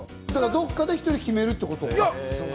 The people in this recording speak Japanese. どこかで１人決めるってこと？